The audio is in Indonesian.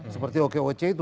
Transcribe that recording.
seperti okoc itu